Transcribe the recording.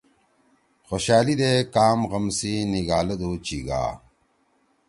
خوشألی دے کام غم سی نیِگھالَدُو چیِگا